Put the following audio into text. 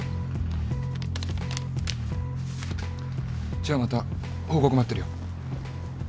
じゃあまた報告待ってるよ。